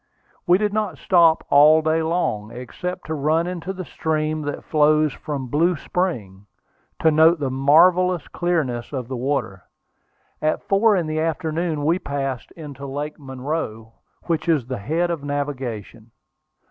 We did not stop all day long, except to run into the stream that flows from Blue Spring, to note the marvellous clearness of the water. At four in the afternoon we passed into Lake Monroe, which is the head of navigation.